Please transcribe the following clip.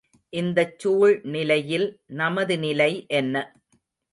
இந்தச் சூழ் நிலையில் நமது நிலை என்ன?